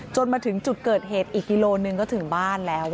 จนถึงจุดเกิดเหตุอีกกิโลหนึ่งก็ถึงบ้านแล้ว